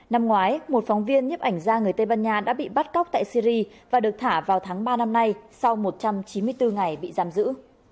năm ngoái một phóng viên nhiếp ảnh gia người tây ban nha đã bị bắt cóc tại syri và được thả vào tháng ba năm nay sau một trăm chín mươi bốn ngày bị giam giữ